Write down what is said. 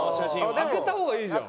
開けた方がいいじゃん。